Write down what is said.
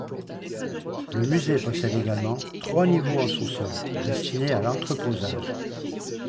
Le musée possède également trois niveaux en sous-sol destinés à l'entreposage.